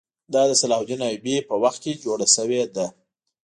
دا د صلاح الدین ایوبي په وخت کې جوړه شوې ده.